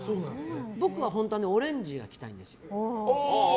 僕は本当はオレンジが着たいんですよ。